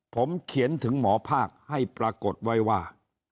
ผมเขียนถึงหมอภาคให้ปรากฏไว้ว่า